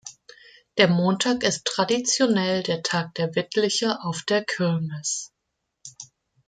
Der Montag ist traditionell der "Tag der Wittlicher" auf der Kirmes.